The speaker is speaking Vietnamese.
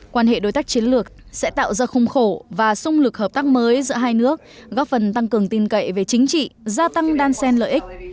quan hệ đối tác chiến lược sẽ tạo ra khung khổ và sung lực hợp tác mới giữa hai nước góp phần tăng cường tin cậy về chính trị gia tăng đan sen lợi ích